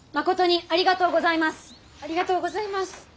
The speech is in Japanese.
ありがとうございます。